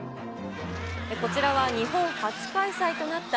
こちらは日本初開催となった